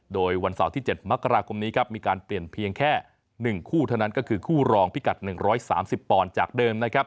โดยวันเสาร์ที่๗มกราคมนี้ครับมีการเปลี่ยนเพียงแค่๑คู่เท่านั้นก็คือคู่รองพิกัด๑๓๐ปอนด์จากเดิมนะครับ